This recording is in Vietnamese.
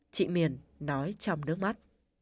chị miền nói trong nước mắt